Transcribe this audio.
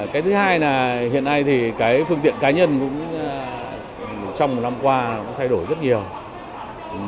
cái thứ hai là hiện nay thì cái phương tiện cá nhân cũng trong một năm qua cũng thay đổi rất nhiều